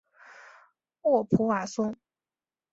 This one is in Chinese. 沃普瓦松。